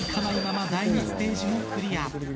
ないまま第２ステージもクリア。